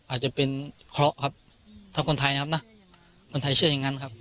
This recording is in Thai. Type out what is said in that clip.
อาจจะเป็นเคราะห์ครับถ้าคนไทยนะครับนะคนไทยเชื่ออย่างนั้นครับ